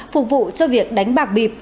phục vụ cho việc đánh bạc bịp